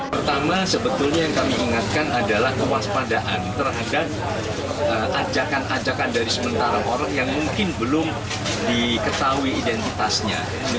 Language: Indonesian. pertama sebetulnya yang kami ingatkan adalah kewaspadaan terhadap ajakan ajakan dari sementara orang yang mungkin belum diketahui identitasnya